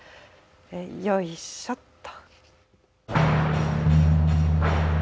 よいしょっと。